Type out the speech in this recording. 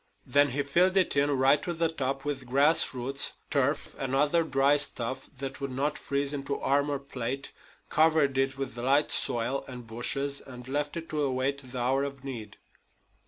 Then he filled it in right to the top with grass roots, turf, and other dry stuff that would not freeze into armor plate, covered it over with light soil and bushes, and left it to await the hour of need.